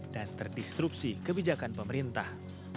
dan terdistrupsi kebijakan pemerintah